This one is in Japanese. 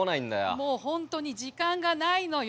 もう本当に時間がないのよ！